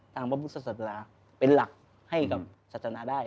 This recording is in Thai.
ตามว่าพุทธศาสตราเป็นหลักให้กับศาสนาได้